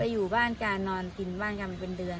อยู่บ้านกันนอนกินบ้านกันเป็นเดือน